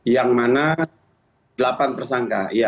yang mana delapan tersangka